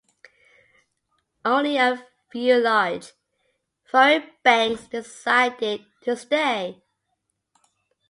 Only a few large foreign banks decided to stay.